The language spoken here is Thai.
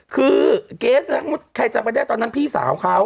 คือเกศใครจับไปได้ตอนนั้นพี่สาวเขา